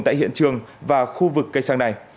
tại hiện trường và khu vực cây xăng này